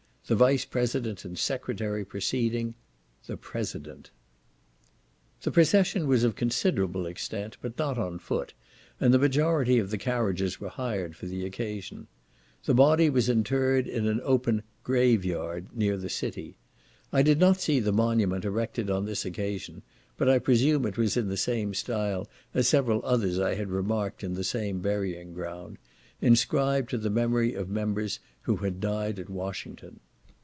The Vice president and Secretary preceding, THE PRESIDENT The procession was of considerable extent, but not on foot, and the majority of the carriages were hired for the occasion. The body was interred in an open "grave yard" near the city. I did not see the monument erected on this occasion, but I presume it was in the same style as several others I had remarked in the same burying ground, inscribed to the memory of members who had died at Washington.